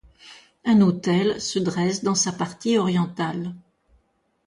Un autel se dresse dans sa partie orientale.